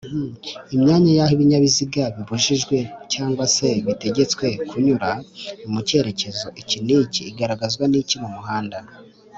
imyanya yaho Ibinyabiziga bibujijwe cg se bitegetswe kunyura mu cyerekezo iki n’iki igaragazwa ni iki mumuhanda